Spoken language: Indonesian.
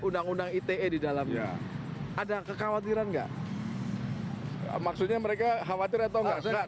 undang undang ite di dalamnya ada kekhawatiran enggak maksudnya mereka khawatir atau enggak